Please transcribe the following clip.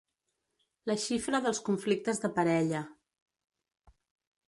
La xifra dels conflictes de parella.